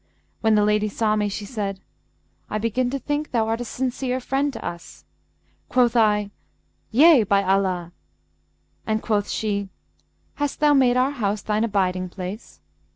When the lady saw me, she said, 'I begin to think thou art a sincere friend to us.' Quoth I, 'Yea, by Allah!' and quoth she, 'Hast thou made our house thine abiding place?'